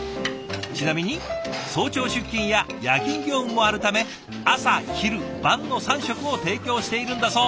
ちなみに早朝出勤や夜勤業務もあるため朝昼晩の３食を提供しているんだそう。